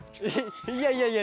いやいやいや。